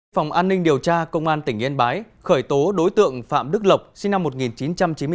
phòng an ninh điều tra công an tỉnh yên bái khởi tố đối tượng phạm đức lộc sinh năm một nghìn chín trăm chín mươi bốn